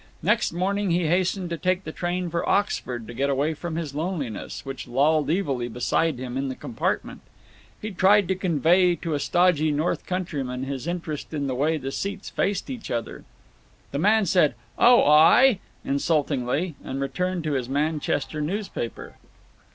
Next morning he hastened to take the train for Oxford to get away from his loneliness, which lolled evilly beside him in the compartment. He tried to convey to a stodgy North Countryman his interest in the way the seats faced each other. The man said "Oh aye?" insultingly and returned to his Manchester newspaper.